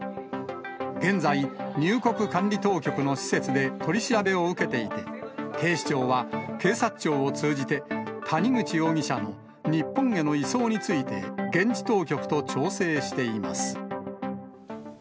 現在、入国管理当局の施設で、取り調べを受けていて、警視庁は警察庁を通じて、谷口容疑者の日本への移送について、現地当局と調整しています。